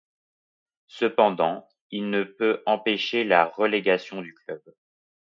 Cependant, il ne peut empêcher la relégation du club.